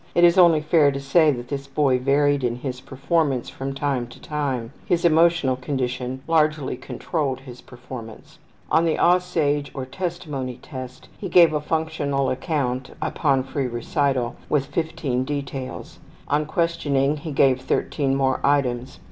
It is only fair to say that this boy varied in his performance from time to time; his emotional condition largely controlled his performance. On the ``Aussage'' or Testimony Test he gave a functional account upon free recital, with 15 details. On questioning he gave 13 more items.